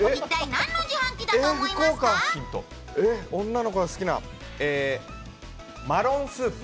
女の子の好きなマロンスープ。